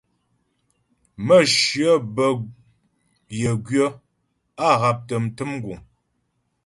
Mə̌shyə bə́ yə gwyə̌, á haptə mtə̀m guŋ.